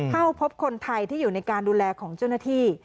เข้าพบคนไทยที่อยู่ในการดูแลของเจ้าหน้าที่